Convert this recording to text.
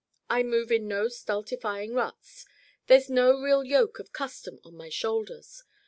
I move in no stultifying ruts. There's no real yoke of custom on my shoulders.